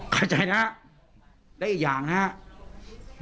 เข้าใจนะครับและอีกอย่างนะครับ